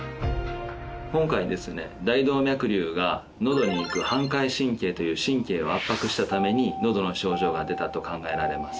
今回ですね大動脈瘤がのどにいく反回神経という神経を圧迫したためにのどの症状が出たと考えられます。